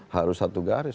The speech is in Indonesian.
harus satu garis